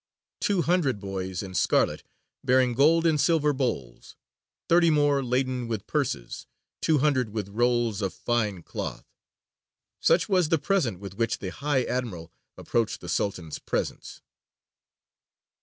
" Two hundred boys in scarlet, bearing gold and silver bowls; thirty more laden with purses; two hundred with rolls of fine cloth: such was the present with which the High Admiral approached the Sultan's presence.